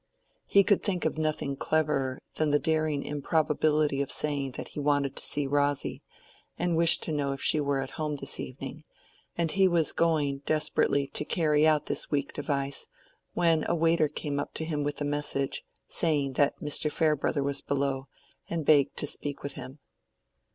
He could think of nothing cleverer than the daring improbability of saying that he wanted to see Rosy, and wished to know if she were at home this evening; and he was going desperately to carry out this weak device, when a waiter came up to him with a message, saying that Mr. Farebrother was below, and begged to speak with him.